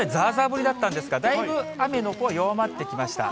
降りだったんですが、だいぶ雨のほうは弱まってきました。